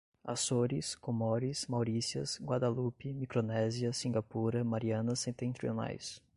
Açores, Comores, Maurícias, Guadalupe, Micronésia, Singapura, Marianas Setentrionais